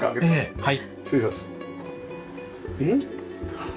はい。